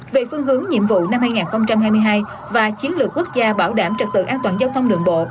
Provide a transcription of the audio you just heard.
về phương hướng nhiệm vụ năm hai nghìn hai mươi hai và chiến lược quốc gia bảo đảm trật tự an toàn giao thông đường bộ